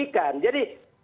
ini kan sangat sangat merugikan